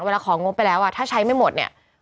เวลาของงบไปแล้วอ่ะถ้าใช้ไม่หมด